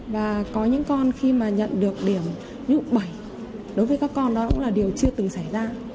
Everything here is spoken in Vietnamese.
và có những con khi mà nhận được điểm ví dụ bảy đối với các con đó cũng là điều chưa từng xảy ra